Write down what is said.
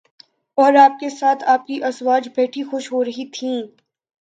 اور آپ کے ساتھ آپ کی ازواج بیٹھی خوش ہو رہی تھیں